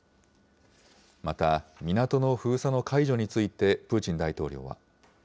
また、港の封鎖の解除についてプーチン大統領は。